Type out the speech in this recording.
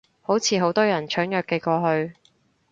好似好多人搶藥寄過去